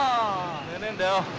食えねえんだよ。